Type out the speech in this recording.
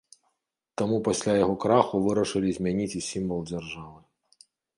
Таму пасля яго краху вырашылі змяніць і сімвал дзяржавы.